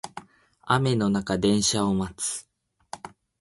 雨の中電車を待つ